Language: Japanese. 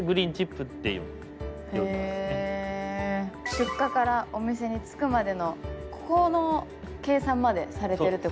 出荷からお店に着くまでのここの計算までされてるってことですね。